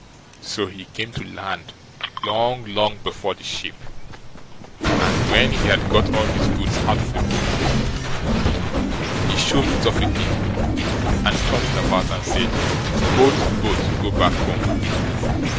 So he came to land long, long before the ship; and when he had got all his goods out of the boat, he shoved it off again, and turned it about and said: Boat, boat, go back home!